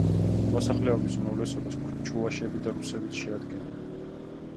მოსახლეობის უმრავლესობას ჩუვაშები და რუსები შეადგენენ.